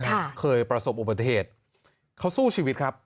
ค่ะเคยประสบอุบัติเหตุเขาสู้ชีวิตครับ